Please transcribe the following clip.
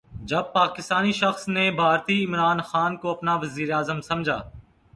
جب پاکستانی شخص نے بھارتی عمران خان کو اپنا وزیراعظم سمجھا